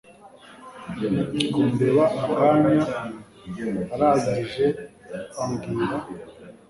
kundeba akanya arangije ambwira